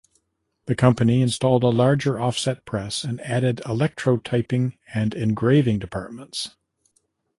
The company installed a larger offset press and added electrotyping and engraving departments.